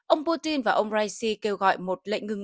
ông putin và ông raisi kêu gọi một lệnh ngừng